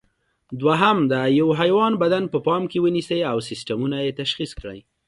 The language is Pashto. دوهم: د یوه حیوان بدن په پام کې ونیسئ او سیسټمونه یې تشخیص کړئ.